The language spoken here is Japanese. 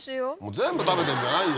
全部食べてんじゃないよ。